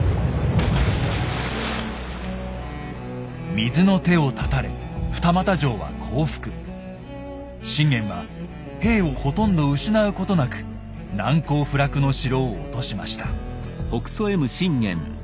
水の手を絶たれ信玄は兵をほとんど失うことなく難攻不落の城を落としました。